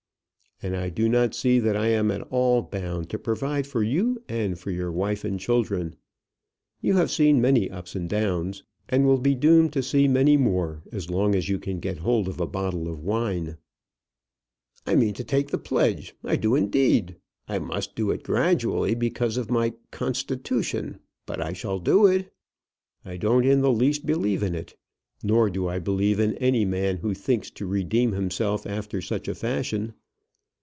"And I do not see that I am at all bound to provide for you and for your wife and children. You have seen many ups and downs, and will be doomed to see many more, as long as you can get hold of a bottle of wine." "I mean to take the pledge, I do indeed. I must do it gradually, because of my constitution, but I shall do it." "I don't in the least believe in it; nor do I believe in any man who thinks to redeem himself after such a fashion.